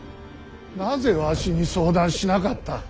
なぜわしに相談しなかった。